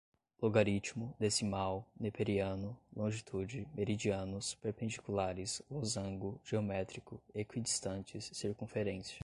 logaritmo, decimal, neperiano, longitude, meridianos, perpendiculares, losango, geométrico, equidistantes, circunferência